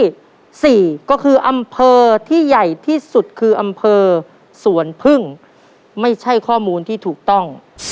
สี่ก็คืออำเภอที่ใหญ่ที่สุดคืออำเภอสวนพึ่งไม่ใช่ข้อมูลที่ถูกต้อง